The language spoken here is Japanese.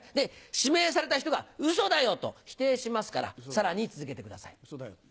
指名された人が「ウソだよ」と否定しますからさらに続けてください。